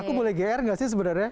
aku boleh gr nggak sih sebenarnya